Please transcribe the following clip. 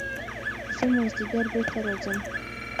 زه مازديګر بېرته راځم.